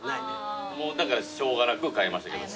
だからしょうがなく替えましたけど。